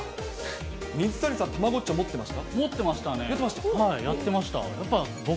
水谷さん、たまごっち持ってました？